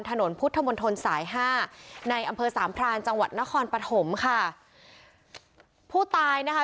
ถนนพุทธมนตรสายห้าในอำเภอสามพรานจังหวัดนครปฐมค่ะผู้ตายนะคะ